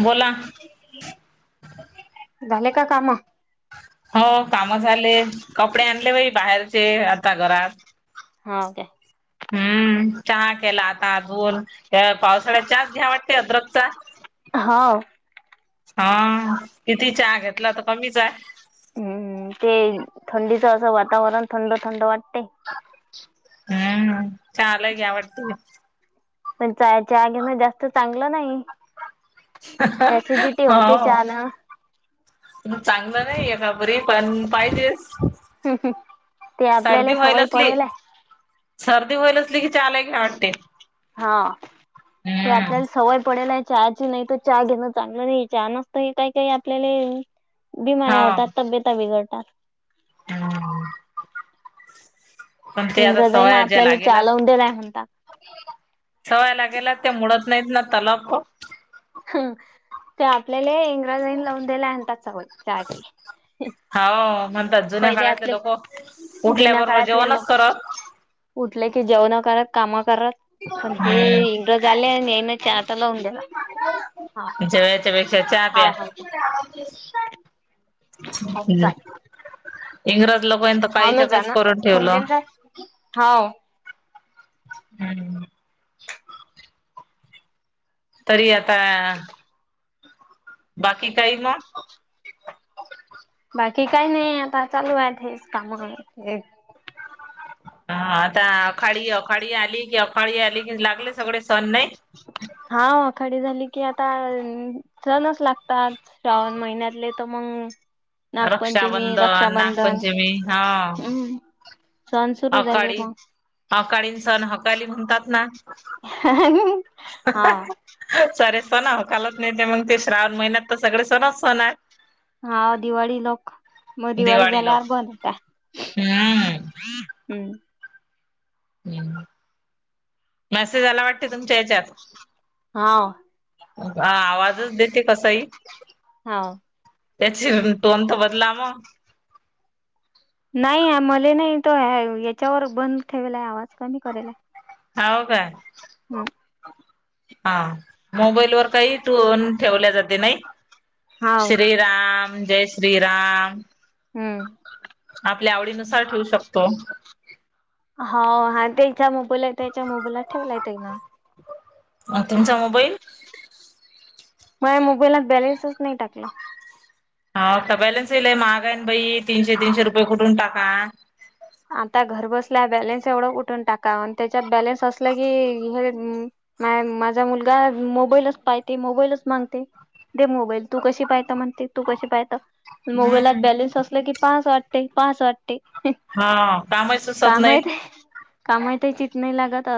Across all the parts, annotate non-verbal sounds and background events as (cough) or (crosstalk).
बोला झाले का कामं? हो कामं झाले कपडे आणले बाई बाहेरचे आता घरात. हाओ काय. हम्म चहा केला आता आजून त्या पावसाळ्या चाच घ्या वाटते अदरकचा. हाव हा किती चहा घेतला तर कमीच आहे. हम्मं ते थंडीच असं वातांवरण थंड थंड वाटते हम्मं चालं घ्यां वाटते पणं चायां चहा घेन जास्तं चांगलं नाहीं होते हो चहानं चांगलं नाहीं यां री पणं पाहिजेस ते आपल्याला सर्दी व्हांयला सवय असली पडेल आहे सर्दी होईल असली की चालतं कायं वाटते आपल्यांला सवयं पडेला आहे हांची नाहीं तरं चहा घेणं चांगलं नाहीं हां नसतं हे कायं कांहीं आपल्याला हा बीमार्या होतांत तब्यंता बिघडतांत हम्मं पणं ते आंता इंग्रजांना सवयां ज्यां आपल्याला चहा लागेल लावून दिलाय म्हणतात. सवयंला गेलां ते मुडतं नाहींत नां तलाबं हं ते आपल्यांला इंग्रजांनी लावूंन दिल्या आणतांत सवयंजी हो म्हणतांत जुन्यां काळांतले आपले लोकं जुन्या उठल्यांबरोबर काळातले जेवणं लोक चं करतं उठले की जेवणं करतं कामं करतं पणं हे हम्म इंग्रज आले आणि येनां चं आंता लावूंन द्या जेवायंच्यापेक्षां चहा प्या हां इंग्रज लोकांनी तरं कांहींच्या कांहींच करूंन ठेवलं (unintelligible) होवं आणि मगं तरी आंता बाकी कायं मं बाकी कांहीं नाहीं आंता चालूं आहे हेचं कामं हं आंता अखांळी अखांळी आंली की अखांळी आंली की लागले सगळे संण नाहीं हां आखांडी झाली की आंता सणंच लागतांत श्रावणं महिन्यांतले तरं मगं नागपंचमी रक्षाबंधन, रक्षाबंधन नागपंचमी हम्मं अकांळी अकांळीं संण हकांली म्हणतांत नां हां वं सरे सणं हो खांलत नाहीं ते मगं ते श्रावण महिन्यांत तरं सगळे सनंच संन हां दिवांळी लोकं मगं दिवाळी दिवाळीला झाल्यार बंद होेतांत हम्म हम्मं मेसेज आंला वाटते तुमच्यां यांच्यात हाव हं आवांजच देते कसांही हाव त्यांची तोनंत बंदला मगं नाहीं मले नाहीं तो यांच्यावर बंद ठेवालांय आवांज कमी करेल आहे. होवं कां हां मोबाईल वरं कांहीं टुंन ठेवल्यां जाते नाहीं हाव श्रीराम जय श्रीराम. हम्मं आपल्या आवडीनुसांर ठेवुं शकतो. हो हां त्यांच्या मोबाईल आहे त्यांच्या मोबाईलला ठेवला येतं नां तुमचां मोबाईल मायां मोबाईलात बॅलेन्सच नाहीं टाकला हाता बॅलन्स येईलय महागा आहे बाई तीनशे तीनशे रुपये कुठून टाका आता घर बसल्या बॅलेन्स एवढं कुठून टाका आणि त्याच्यात बॅलेन्स असलं की हे नाही माझा मुलगा मोबाईलच पाहते मोबाईलच मागते दे मोबाईल तू कशी पाहत म्हणते तू कशी पाहत मोबाईलात हम्म बॅलेन्स असलं की पाहावच वाटते पाहावच वाटते. होव काम का माहीती कामात चित नाही लागत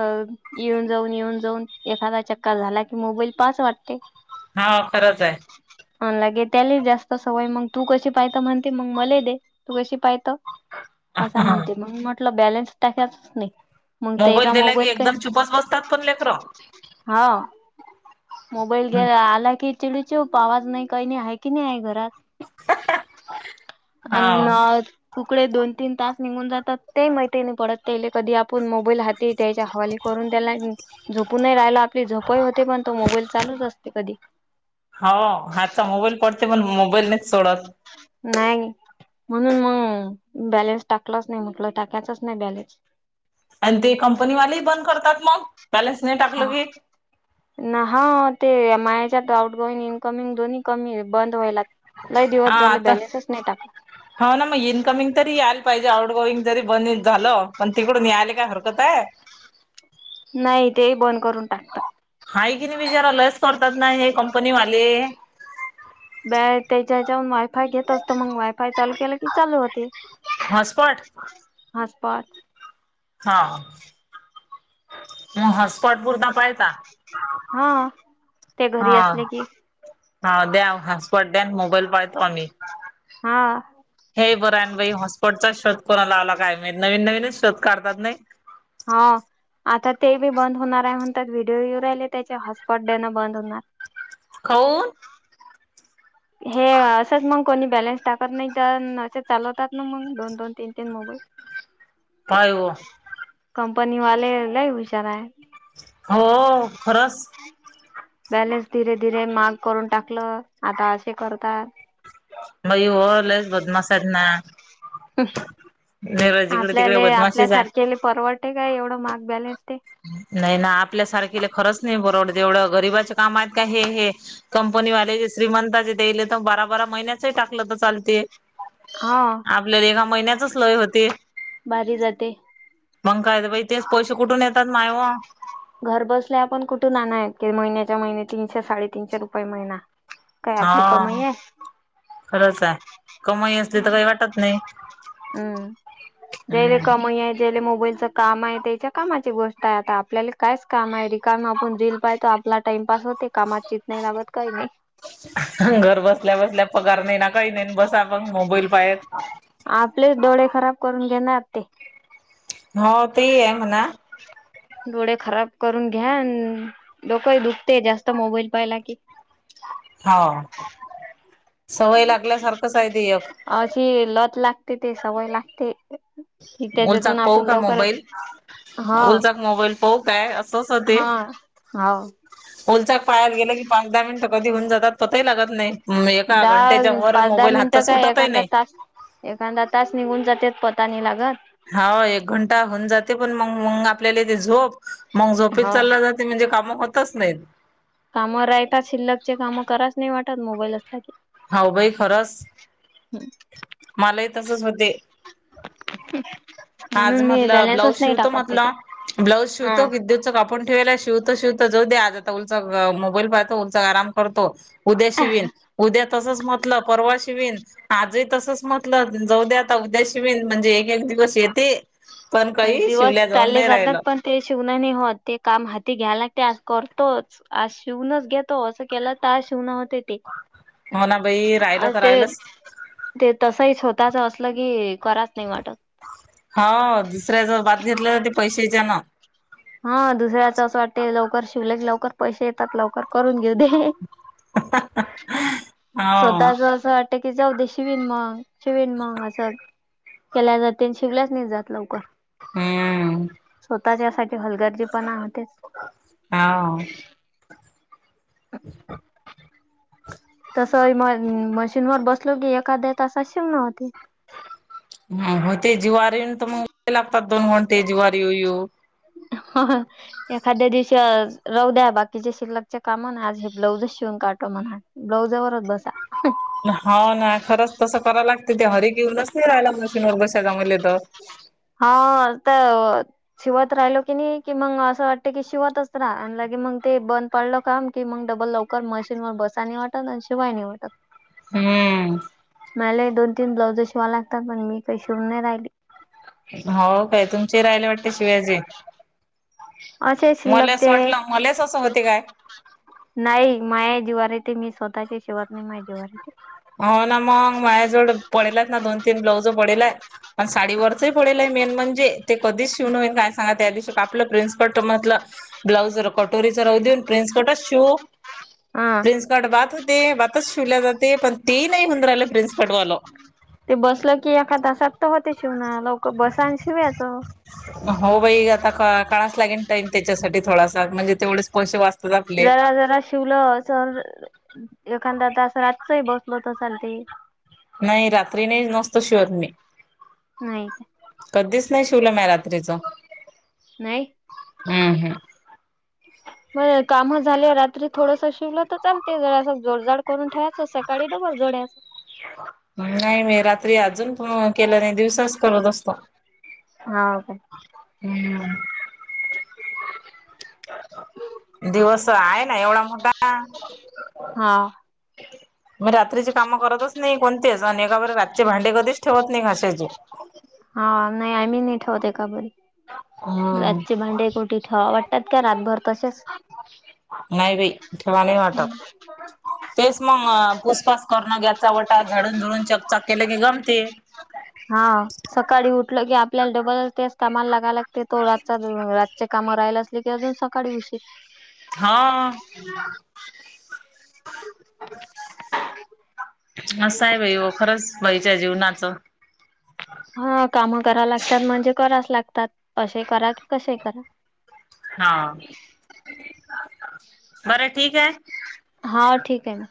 येऊन जाऊन येऊन जाऊन एखादा चक्कर झाला की मोबाईल पाहावच वाटत. ते होव खरंच आहे. अन लगे त्याले जास्त सवय मग तू कशी पाहत म्हणते मग मला दे तू कशी पाहत. असं म्हणते मग म्हटलं बॅलन्स टाकायचाच नाही. मग त्याचा मोबाईल दिला की एकदम चुपच बसतात पण लेकर. हाव मोबाईल आला की चिडीचुप आवाज नाही काही नाही आहे की नाही आहे घरात. हं हं अन कुकडे दोन -तीन तास निघून जातात ते माहीती नाही पडत त्याले कधी आपण मोबाईल हाती त्यायच्या हवाले करून त्याला झोपून नाही राहिल आपली झोपही होते पण तो मोबाईल चालूच असते कधी हो हातचा मोबाईल पडते पण मोबाईल नाही सोडत. नाही म्हणून मग बॅलेन्स टाकलाच नाही म्हटलं टाकायचच नाही बॅलेन्स आणि ते कंपनीवालेही बंद करतात मग बॅलेन्स नाही टाकलं हा की हा ते माह्या याच्यात आउट गोईंग इनकमिंग दोन्ही कमी बंद व्हायले. हा तर हो न मग इनकमिंग तरी यायला पाहिजे आउट गोईंग जरी बंद झालं पण तिकडून यायला काय हरकत आहे. नाही ते बंद करून टाक हाय की नाही बी जरा लय करतात ना हे कंपनी वाले. बा त्याच्या हेच्यावुन वाय फाय घेत असतो मग वायफाय चालू केलं की चालू होती हॉटस्पॉट हाॅसपाॅट. हा मग हाॅसपाॅट पुरता पाहता. हा ते हा घरी असले की हा द्या हाॅसपाॅट द्या मोबाईल पाहतो आम्ही. हा हे बरं आहे आणि बाई हॉस्पॉटचा शोध को लावला काय माहित नवीन नवीनच शोध काढतात नाही. हो आता ते बी बंद होणार आहे म्हणतात व्हिडिओ येऊ राहिले त्याचे हॉटस्पॉट देणं बंद होणार. काऊन हे असंच मग कोणी बॅलेन्स टाकत नाही तर अस चालवतात ना मग दोन दोन तीन मोबाईल पाय ओ कंपनी वाले लय हुशार आहे. हो खरंच बॅलेन्स धीरे धीरे माहग करून टाकलं आता असे करतात. नाही ओ लयच बदमास्त आहे ना. निर जिकडे तिकडे आपल्याला, बदमाशीच आहे आपल्यासारख्या ले परवडते काय एवढं माहाग बॅलेन्स ते नाही ना आपल्यासारखेला खरंच नाही परवडत एवढं गरीबाचे काम आहेत का हे हे. कंपनी वाले ज श्रीमंताचे तेले तर बारा बारा महिन्याचही टाकलं तर चालते. हा. आपल्याला एका महिन्याचच लय होती. भारी जाते. मंग काय ते बा तेच पैसे कुठून येतात नाही व. घर बसल्या आपण कुठून आणयत क महिन्याच्या महिने तीनशे साडेतीनशे रुपये महिना. काय आपली हा कमाई आहे खरंच आहे. कमाई असली तर काही वाटत नाही. जले हम्म कमाई आहे जेले मोबाईलच. काम आहे त्याच्या कामाची गोष्ट आहे आता आपल्याला कायच काम आहे रिकाम आपण रील पाहतो आपला टाइमपास होते. कामाचीत नाही लागत काही नाही. घर बसल्या बसल्या पगार नाही ना काही नाही बसा आपण मोबाईल पायात. आपलेच डोळे खराब करून घेणार ते. हो ते आहे हो ना. डोळे खराब करून घ्या डोकही दुखते जास्त मोबाईल पाहिला की. हा सवय लागल्यासारखंच आहे ते एक. अशी लत लागते ते सवय लागते. कि उलचा त्याच्यातून पाहू आपण का लवकर मोबाईल. हाव उलचाक मोबाईल पाहू काय असच होते हा ते. हाव उलचा पायाला गेलं की पाच दहा मिनिटं कधी होऊन जात पतही लागत नाही. एका दहा घंट्याच्या वर पाच दहा मोबाईल हातचा मिनटं काय सुटतही एखादा नाही तास. एखादा तास निघून जातेेत पता नाही लागत. हा एक घंटा होऊन जाते पण मग मग आपल्याला इथे झोप मग झोपच हा चाला जाते. म्हणजे काम होतच नाहीत. काम राहतात शिल्लक चे कामं कराच नाही वाटत मोबाईल असला की. हाऊ बाई खरंच मलाही तसच होते. आज म्हणून मी मधलं ब्लाऊज बॅलन्सच नाही शिवतो टाकत मधलं त्याच्यात ब्लाऊज हा शिवतो विद्युत. उच का आपण ठेवायला शिवतो शिवत जाऊ दे आज आता उलचा मोबाईल पाहतो उलचाक आराम करतो. उद्या शिवीन उद्या तसच म्हटलं परवा. ते शिवीण आजही तसंच म्हटलं जऊद्याता उद्या शिवीन म्हणजे एक एक दिवस येते. पण आणि काही दिवस शिवल्या जाऊन चालले नाही जातात राहिलं. पण ते शिवणाने होत ते काम हाती घ्याय लागते आज करतोच. आज शिवूनच घेतो असं केला त शिवूनवते. हो ना बाई राहिलं आज तर तेच. राहिलच ते तसंही स्वतःच असलं की कराच नाही वाटत. हो दुसऱ्या जव बात घेतल्या तर ते पैशाच्या ना. हा दुसऱ्याच असं वाटते लवकर शिवलेख लवकर पैसे येतात लवकर करून घेऊ दे. हो स्वतःच अस वाट कि जाऊ दे शिवीन मग. शिण मग असं केल्या जाते आणि शिवल्याच नाही जात लवकर. हम्म. स्वतःच्या साठी हलगर्जीपणा होते. हवं. हम्म. तस म मशीनवर बसलो की एखाद्या तास शिव नव्हते. हम्म होते जीवार येऊन तर मग लागतात दोन घंटे जीवार येऊ येऊ. होय. एखाद्या दिवशी राहू द्या बाकीची शिल्लक कामं, आज हे ब्लाऊजच शिवून काढू म्हणा. ब्लाऊजावरच बसा हो ना, खरंच तसं कराव लागते. ते हरी घेऊनच नाही, राहायला मिशनवर बसाला मले तर हा त शिवत राहिलो की नाही, कि मग असं वाटते की शिवतच राहा आणि मग ते बंद पडलं काम की मग डबल लवकर मशीन वर बसानी वाटत आणि शिवायनी वाटतं हं मला ही दोन-तीन ब्लाउजं शिवा लागतात पण, मी काही शिवून नाही राहिली. हो काय, तुमचे राहिले वाटते शिवायचे? असे शिल्लक ते वाटलं मलाच असं होते काय? नाही माया जीवार येते, मी स्वतःच्या शिवत नाही माय जीवार येते. हो ना, मग माझ्याजवड पडेलात ना, दोन-तीन ब्लाउज पडेल आहेत पण साडी वरच पडेलं आहे, मेन म्हणजे ते कधी शिवण होईन काय सांगा, त्या दिवशी आपलं प्रिन्सकट त म्हटलं ब्लाऊज कटोरीचा राहु देऊ प्रिन्स कोटरीच शिवु हा प्रिन्स गडवात होते, वातच शिवल्या जाते, पण ते नाही होऊन राहिले प्रिन्स कडवाल ते बसलं की, एका तासात तर होते शिवणं हो बाई आता काळा कराच लागेन देईन, त्याच्यासाठी थोडासा म्हणजे तेवढे पैसे वा जरा-जरा शिवलं, असं एखादा तास रातचंही बसलो तर चालतं नाही, रात्री नाही नसतो शिवत मी नाही कधीच नाही शिवलं म्या रात्रीचं नाही. हं हं मग कामं झाले. रात्री थोडसं शिवलं तर चालते, जस जोडजड करून ठेवायचं, सकाळी डबल जोड्याच नाही, मी रात्री अजून पण केला नाही, दिवसाचं करत असतो. हा काय? हं दिवस आहे ना, एवढा मोठा हा मग, रात्रीची कामं करतच नाही कोणतेच आणि एका व रातचे भांडे कधीच ठेवत नाही, घाशाचे हा, नाही, आम्ही नाही ठेवत का बरी हा रातचे भांडे कोठे ठेवाव, वाटतात का रातभर तसेच? नाही बाई, ठेवाणी वाटत. तेच मग, पुसपास करणं, घ्याचा वाटा झाडून झुडून, चकचाक केले की गमते हा, सकाळी उठलं की, आपल्याला डबल तेच कामाला लागाला ते तो रातचा रातच्या कामं राहिला असले की, अजून सकाळी उशीर हा असं आहे बाई, खरंच, बाईच्या जीवनाचं!.. हा, कामं करा लागतात म्हणजे कराच लागतात, असे करा की कसे करा हा, बरं, ठीक आहे. हा, ठीक आहे ना.